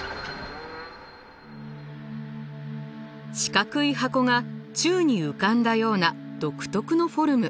四角い箱が宙に浮かんだような独特のフォルム。